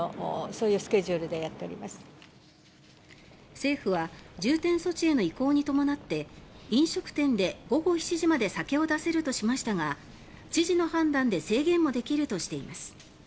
政府は重点措置への移行に伴って飲食店で午後７時まで酒を出せるとしましたが知事の判断で制限もできるとしています。